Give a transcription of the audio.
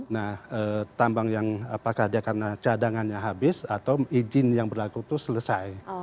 nah tambang yang apakah dia karena cadangannya habis atau izin yang berlaku itu selesai